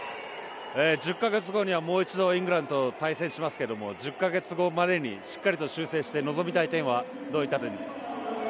１０か月後にはもう一度イングランドと対戦しますけれども１０か月後までにしっかり修正して臨みたい点はどういったことですか。